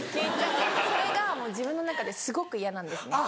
それがもう自分の中ですごく嫌なんですね。